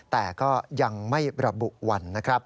แต่ก็ยังไม่ระบุวันนะครับ